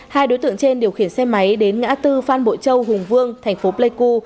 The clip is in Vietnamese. hai đối tượng trên điều khiển xe máy đến ngã tư phan bội châu hùng vương thành phố pleiku